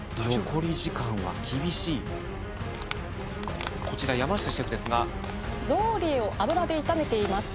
残り時間は厳しいこちら山下シェフですがローリエを油で炒めています